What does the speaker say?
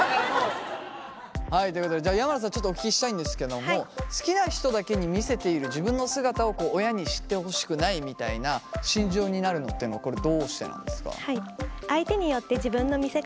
はいということでじゃあ山名さんちょっとお聞きしたいんですけども好きな人だけに見せている自分の姿を親に知ってほしくないみたいな心情になるのっていうのはこれどうしてなんですか？